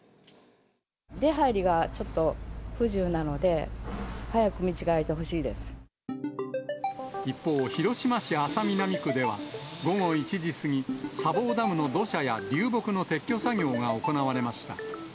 出はいりがちょっと不自由な一方、広島市安佐南区では、午後１時過ぎ、砂防ダムの土砂や流木の撤去作業が行われました。